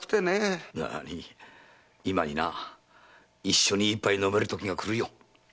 今に一緒に一杯飲めるときがくるよ。